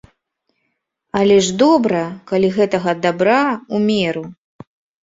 Але ж добра, калі гэтага дабра ў меру.